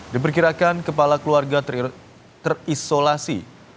diperkirakan kepala keluarga terisolasi